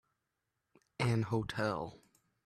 An hotel